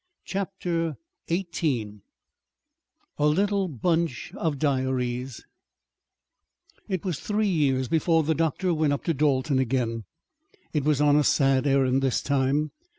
CHAPTER XVIII A LITTLE BUNCH OF DIARIES It was three years before the doctor went up to Dalton again. It was on a sad errand this time.